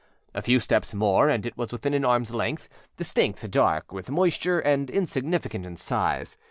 A few steps more, and it was within an armâs length, distinct, dark with moisture, and insignificant in size.